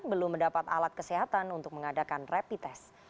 belum mendapat alat kesehatan untuk mengadakan rapid test